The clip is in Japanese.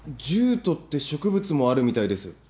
ジュートって植物もあるみたいです。